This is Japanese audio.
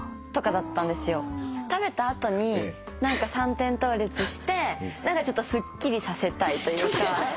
食べた後に三点倒立して何かちょっとスッキリさせたいというか。